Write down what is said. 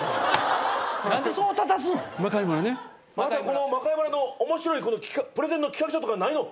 この『魔界村』の面白いプレゼンの企画書とかないの？